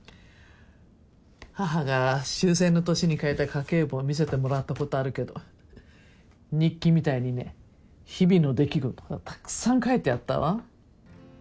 母が終戦の年に書いた家計簿を見せてもらったことあるけど日記みたいにね日々の出来事がたくさん書いてあったわ。